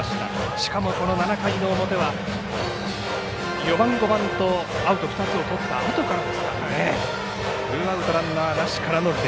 しかも７回の表は４番５番とアウト２つを取ったあとからですからね。